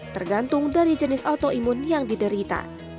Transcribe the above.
tergantung dari jenis autoimun yang diderita